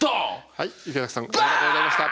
はい池崎さんありがとうございました。